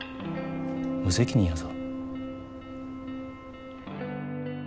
無責任やぞ。